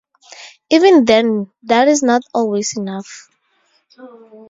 Even then, that is not always enough.